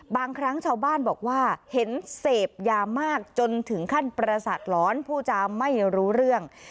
บางครั้งชาวบ้านบอกว่าเห็นเสพยามากจนถึงขั้นประสาทหลอนผู้จาไม่รู้เรื่อง